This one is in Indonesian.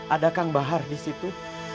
ada kang bahar disitu